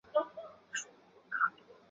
以下是科摩罗的机场。